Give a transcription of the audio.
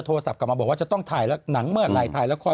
โทรศัพท์กลับมาบอกว่าจะต้องถ่ายหนังเมื่อไหร่ถ่ายละคร